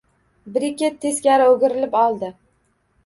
Breket teskari o`girilib oldi